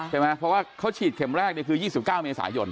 ใช่ไหมเพราะว่าเขาฉีดเข็มแรกคือ๒๙เมษายน